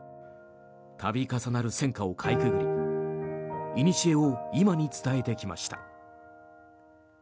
度重なる戦火をかいくぐりいにしえを今に伝えてきました。